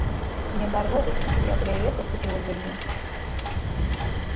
Sin embargo, esto sería breve, puesto que volverían.